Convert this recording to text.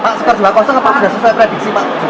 pak sekerja kosong apa sudah selesai tradisi pak